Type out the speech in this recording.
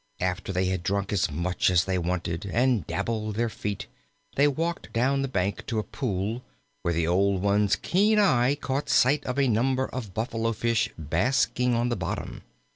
After they had drunk as much as they wanted, and dabbled their feet, they walked down the bank to a pool, where the old one's keen eye caught sight of a number of Buffalo fish basking on the bottom.